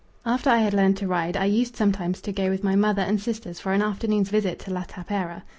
After I had learnt to ride I used sometimes to go with my mother and sisters for an afternoon's visit to La Tapera.